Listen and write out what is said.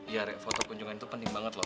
iya rek foto kunjungan itu penting banget lho